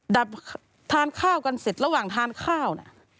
ดับทานข้าวกันเสร็จระหว่างทานข้าวน่ะ